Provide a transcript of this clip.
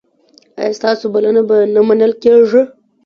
ایا ستاسو بلنه به نه منل کیږي؟